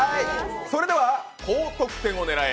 それでは「高得点を狙え！